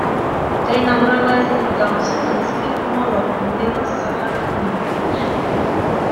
They number less than thousand and speak Molo, a Nilo-Saharan language.